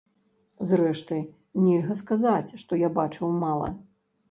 Зрэшты, нельга сказаць, што я бачыў мала.